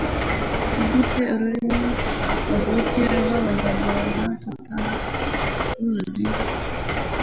Ni gute ururimi kavukire abanyarwanda tutaruzi